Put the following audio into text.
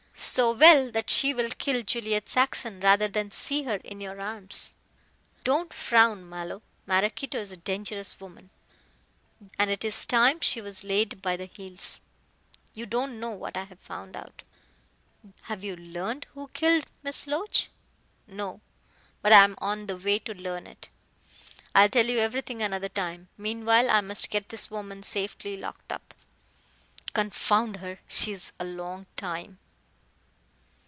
"So well that she will kill Juliet Saxon rather than see her in your arms. Don't frown, Mallow, Maraquito is a dangerous woman, and it is time she was laid by the heels. You don't know what I have found out." "Have you learned who killed Miss Loach?" "No. But I am on the way to learn it. I'll tell you everything another time. Meanwhile, I must get this woman safely locked up. Confound her, she is a long time."